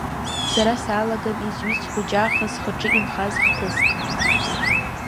Сара саалаган изҩит схәыҷаахыс схаҿы инхаз хҭыск…